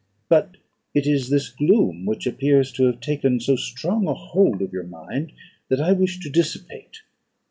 But it is this gloom which appears to have taken so strong a hold of your mind, that I wish to dissipate.